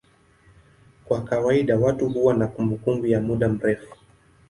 Kwa kawaida watu huwa na kumbukumbu ya muda mrefu.